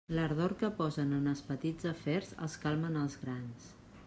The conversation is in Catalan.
L'ardor que posen en els petits afers els calma en els grans.